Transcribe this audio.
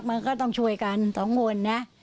มันก็ต้องช่วยกันสองคนนะ